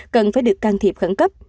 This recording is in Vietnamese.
cần phải được can thiệp khẩn cấp